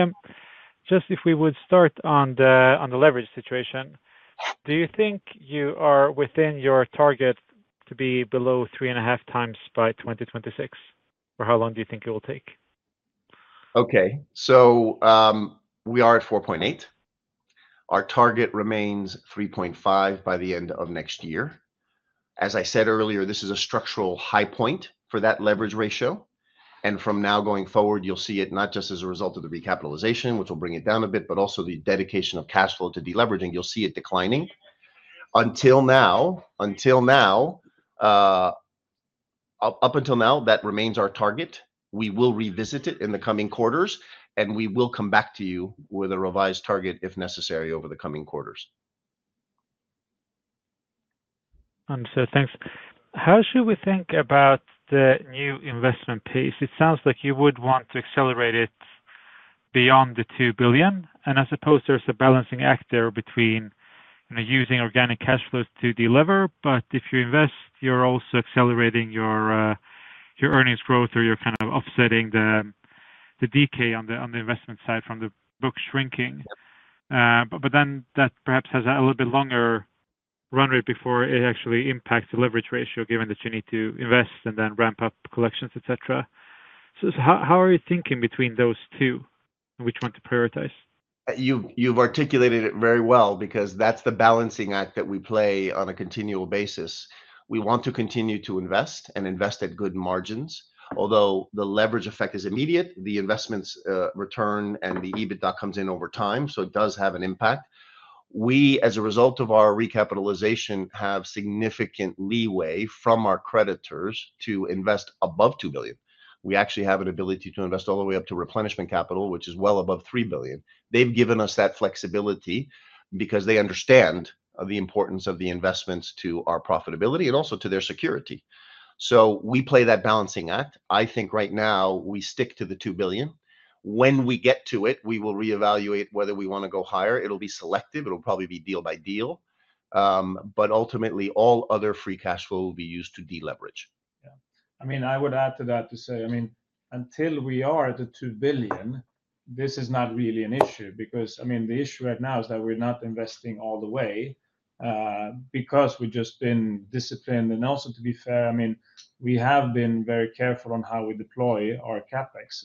S7: just if we would start on the leverage situation. Do you think you are within your target to be below 3.5x by 2026? Or how long do you think it will take?
S2: Okay, so we are at 4.8. Our target remains 3.5 by the end of next year. As I said earlier, this is a structural high point for that leverage ratio. From now going forward, you'll see it not just as a result of the recapitalization, which will bring it down a bit, but also the dedication of cash flow to deleveraging, you'll see it declining. Until now, that remains our target. We will revisit it in the coming quarters, and we will come back to you with a revised target if necessary over the coming quarters.
S7: Thank you. How should we think about the new investment piece? It sounds like you would want to accelerate it beyond the 2 billion. There is a balancing act there between, you know, using organic cash flow to delever. If you invest, you're also accelerating your earnings growth or you're kind of offsetting the decay on the investment side from the book shrinking. That perhaps has a little bit longer run rate before it actually impacts the leverage ratio, given that you need to invest and then ramp up collections, et cetera. How are you thinking between those two and which one to prioritize?
S2: You've articulated it very well because that's the balancing act that we play on a continual basis. We want to continue to invest and invest at good margins. Although the leverage effect is immediate, the investments return and the EBIT that comes in over time, so it does have an impact. We, as a result of our recapitalization, have significant leeway from our creditors to invest above 2 billion. We actually have an ability to invest all the way up to replenishment capital, which is well above 3 billion. They've given us that flexibility because they understand the importance of the investments to our profitability and also to their security. We play that balancing act. I think right now we stick to the 2 billion. When we get to it, we will reevaluate whether we want to go higher. It'll be selective. It'll probably be deal by deal. Ultimately, all other free cash flow will be used to deleverage.
S3: Yeah, I mean, I would add to that to say, until we are at the 2 billion, this is not really an issue because, I mean, the issue right now is that we're not investing all the way because we've just been disciplined. Also, to be fair, we have been very careful on how we deploy our CapEx.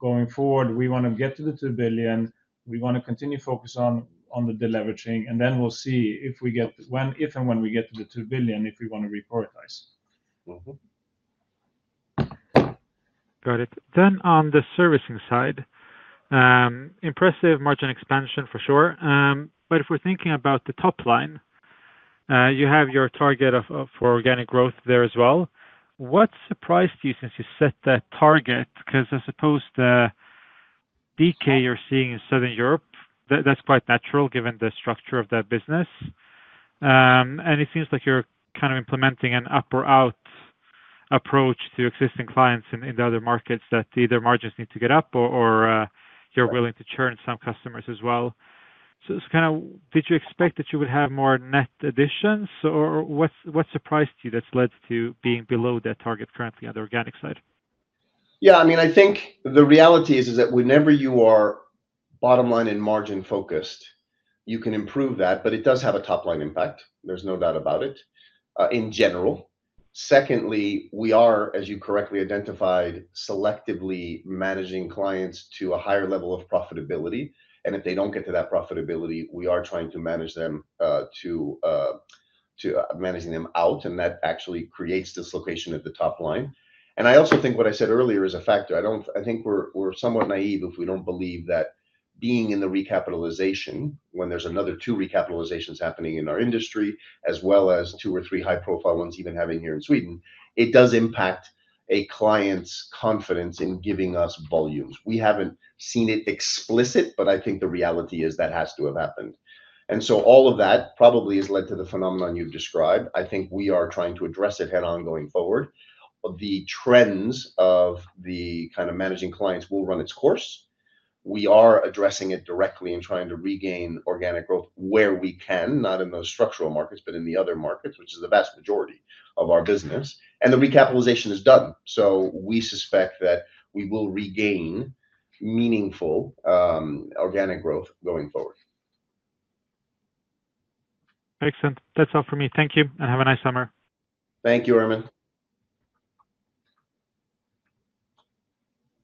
S3: Going forward, we want to get to the 2 billion. We want to continue to focus on the deleveraging, and then we'll see if we get, when, if and when we get to the 2 billion, if we want to reprioritize.
S7: On the servicing side, impressive margin expansion for sure. If we're thinking about the top line, you have your target for organic growth there as well. What surprised you since you set that target? I suppose the decay you're seeing in Southern Europe is quite natural given the structure of that business. It seems like you're implementing an up or out approach to existing clients in the other markets, where either margins need to get up or you're willing to churn some customers as well. Did you expect that you would have more net additions, or what surprised you that's led to being below that target currently on the organic side?
S2: Yeah, I mean, I think the reality is that whenever you are bottom line and margin focused, you can improve that, but it does have a top line impact. There's no doubt about it in general. Secondly, we are, as you correctly identified, selectively managing clients to a higher level of profitability. If they don't get to that profitability, we are trying to manage them out. That actually creates dislocation at the top line. I also think what I said earlier is a factor. I think we're somewhat naive if we don't believe that being in the recapitalization, when there's another two recapitalizations happening in our industry, as well as two or three high-profile ones even happening here in Sweden, it does impact a client's confidence in giving us volumes. We haven't seen it explicit, but I think the reality is that has to have happened. All of that probably has led to the phenomenon you've described. I think we are trying to address it head-on going forward. The trends of the kind of managing clients will run its course. We are addressing it directly and trying to regain organic growth where we can, not in those structural markets, but in the other markets, which is the vast majority of our business. The recapitalization is done. We suspect that we will regain meaningful organic growth going forward.
S7: Excellent. That's all for me. Thank you and have a nice summer.
S2: Thank you, Ermin.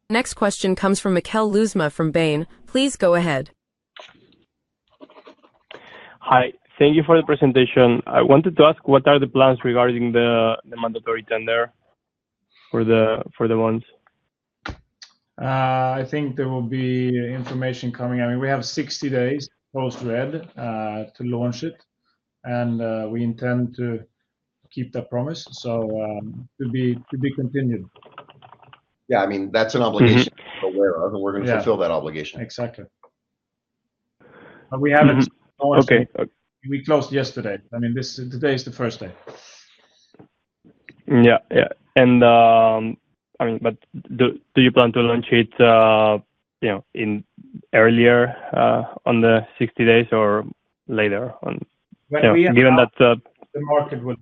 S1: Next question comes from Miquel Lluesma from Bain. Please go ahead.
S8: Hi, thank you for the presentation. I wanted to ask what are the plans regarding the mandatory tender for the bonds?
S3: I think there will be information coming. We have 60 days post-red to launch it, and we intend to keep that promise. It could be continued.
S2: Yeah, I mean, that's an obligation we're aware of, and we're going to fulfill that obligation.
S3: Exactly.
S8: We haven't.
S3: Okay, we closed yesterday. I mean, today is the first day.
S8: Yeah. I mean, do you plan to launch it earlier on the 60 days or later on?
S3: When we are.
S8: Given that.
S3: The market will.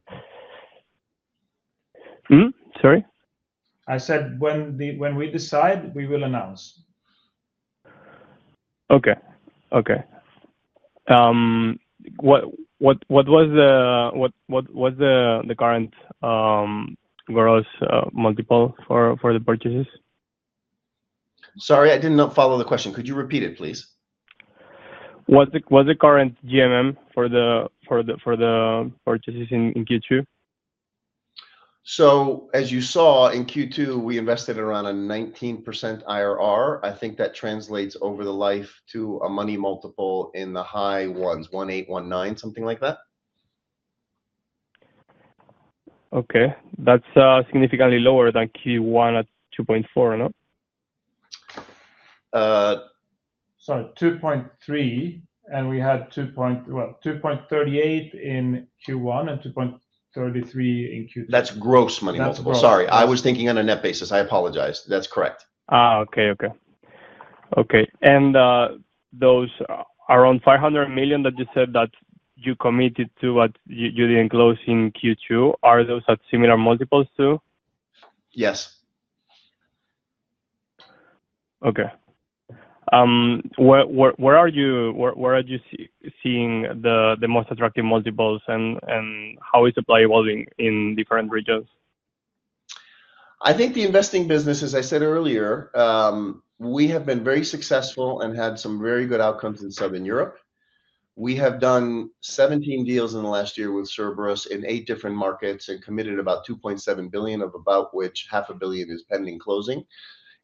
S8: Sorry?
S3: I said when we decide, we will announce.
S8: Okay. What was the current gross multiple for the purchases?
S2: Sorry, I did not follow the question. Could you repeat it, please?
S8: What's the current GMM for the purchases in Q2?
S2: As you saw in Q2, we invested around a 19% IRR. I think that translates over the life to a money multiple in the high ones, 1.8, 1.9, something like that.
S8: Okay. That's significantly lower than Q1 at 2.4, no?
S3: 2.3. We had 2.38 in Q1 and 2.33 in Q2.
S2: That's gross money multiple. Sorry, I was thinking on a net basis. I apologize. That's correct. Okay. Those around 500 million that you said that you committed to, but you didn't close in Q2, are those at similar multiples too? Yes.
S8: Okay. Where are you seeing the most attractive multiples, and how is supply evolving in different regions?
S2: I think the investing business, as I said earlier, we have been very successful and had some very good outcomes in Southern Europe. We have done 17 deals in the last year with Cerberus in eight different markets and committed about 2.7 billion, of about which 0.5 billion is pending closing.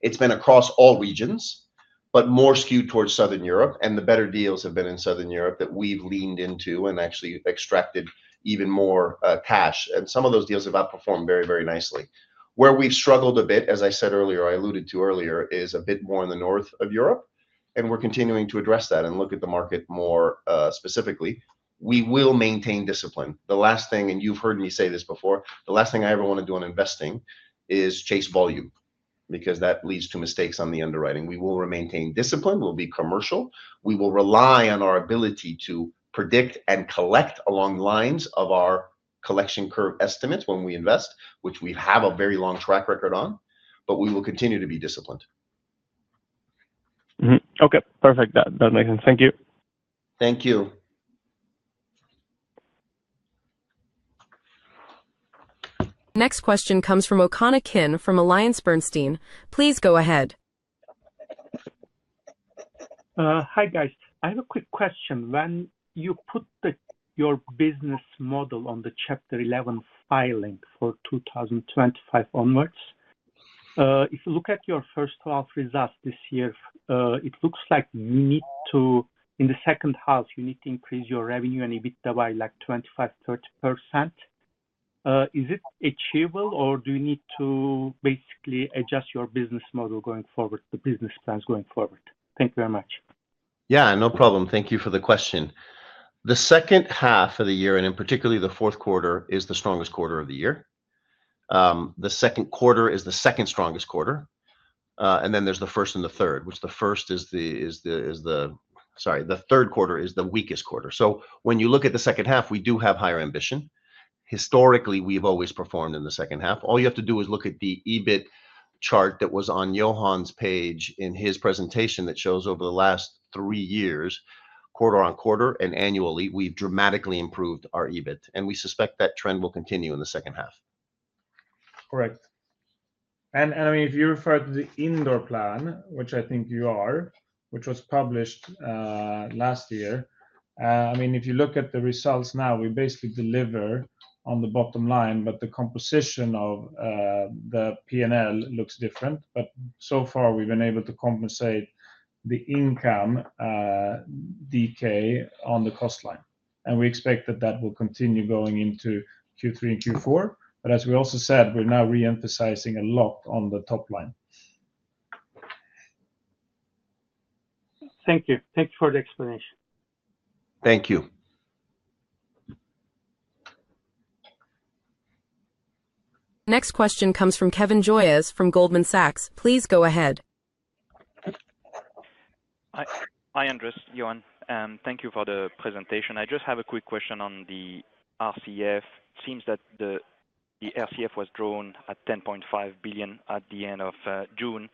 S2: It's been across all regions, but more skewed towards Southern Europe, and the better deals have been in Southern Europe that we've leaned into and actually extracted even more cash. Some of those deals have outperformed very, very nicely. Where we've struggled a bit, as I said earlier, I alluded to earlier, is a bit more in the north of Europe. We're continuing to address that and look at the market more specifically. We will maintain discipline. The last thing, and you've heard me say this before, the last thing I ever want to do in investing is chase volume because that leads to mistakes on the underwriting. We will maintain discipline. We'll be commercial. We will rely on our ability to predict and collect along the lines of our collection curve estimates when we invest, which we have a very long track record on, but we will continue to be disciplined.
S8: Okay, perfect. That makes sense. Thank you.
S2: Thank you.
S1: Next question comes from O'Connor Kin from AllianceBernstein. Please go ahead. Hi guys, I have a quick question. When you put your business model on the Chapter 11 filing for 2025 onwards, if you look at your first half results this year, it looks like you need to, in the second half, increase your revenue and EBITDA by like 25%-30%. Is it achievable or do you need to basically adjust your business model going forward, the business plans going forward? Thank you very much.
S2: Yeah, no problem. Thank you for the question. The second half of the year, and in particular the fourth quarter, is the strongest quarter of the year. The second quarter is the second strongest quarter. There's the first and the third, which, the third quarter is the weakest quarter. When you look at the second half, we do have higher ambition. Historically, we've always performed in the second half. All you have to do is look at the EBIT chart that was on Johan's page in his presentation that shows over the last three years, quarter on quarter and annually, we've dramatically improved our EBIT. We suspect that trend will continue in the second half. Correct.
S3: If you refer to the indoor plan, which I think you are, which was published last year, if you look at the results now, we basically deliver on the bottom line, but the composition of the P&L looks different. So far, we've been able to compensate the income decay on the cost line, and we expect that will continue going into Q3 and Q4. As we also said, we're now reemphasizing a lot on the top line. Thank you. Thank you for the explanation.
S2: Thank you.
S1: Next question comes from Kevin Joyez from Goldman Sachs. Please go ahead.
S9: Hi Andrés, Johan, and thank you for the presentation. I just have a quick question on the RCF. It seems that the RCF was drawn at 10.5 billion at the end of June.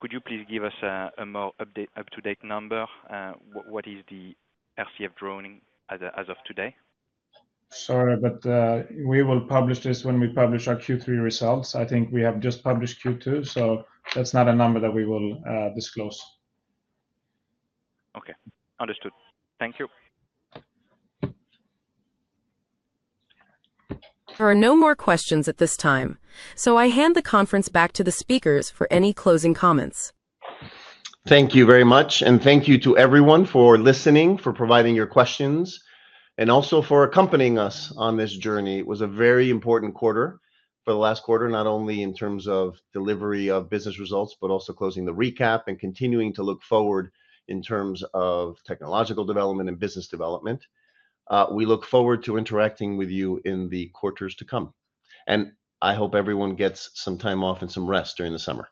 S9: Could you please give us a more up-to-date number? What is the RCF drawing as of today?
S3: Sorry, but we will publish this when we publish our Q3 results. I think we have just published Q2, so that's not a number that we will disclose. Okay, understood. Thank you.
S1: There are no more questions at this time. I hand the conference back to the speakers for any closing comments.
S2: Thank you very much. Thank you to everyone for listening, for providing your questions, and also for accompanying us on this journey. It was a very important quarter for the last quarter, not only in terms of delivery of business results, but also closing the recapitalization and continuing to look forward in terms of technological development and business development. We look forward to interacting with you in the quarters to come. I hope everyone gets some time off and some rest during the summer. Thank you.